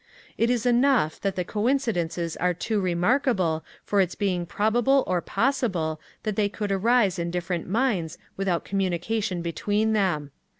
It is enough that the coincidences are too remarkable for its being probable or possible that they could arise in different minds without communication between them.